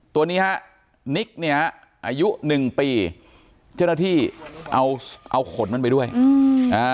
ตัวนี้ฮะนิกเนี่ยอายุหนึ่งปีเจ้าหน้าที่เอาเอาขนมันไปด้วยอืมอ่า